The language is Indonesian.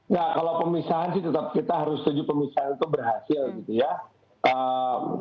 nah kalau pemisahan sih tetap kita harus setuju pemisahan itu berhasil gitu ya